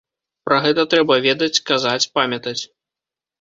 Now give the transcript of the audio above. Пра гэта трэба ведаць, казаць, памятаць.